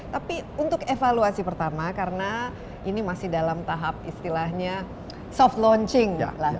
tapi untuk evaluasi pertama karena ini masih dalam tahap istilahnya soft launching